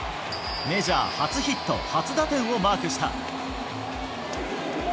メジャー初ヒット、初打点をマークした。